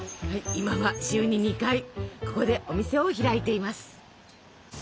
今は週に２回ここでお店を開いています。